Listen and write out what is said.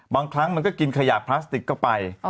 บางครั้งมันก็กินขยะพลาสติกก็ไป